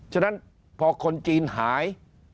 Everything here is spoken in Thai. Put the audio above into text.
ฉะนั้นพอคนจีนหาย